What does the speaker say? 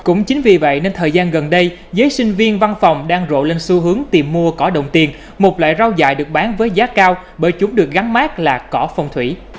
cũng chính vì vậy nên thời gian gần đây giới sinh viên văn phòng đang rộ lên xu hướng tìm mua cỏ đồng tiền một loại rau dại được bán với giá cao bởi chúng được gắn mát là cỏ phong thủy